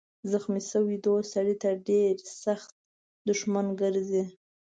زخمي شوی دوست سړی ته ډېر سخت دښمن ګرځي.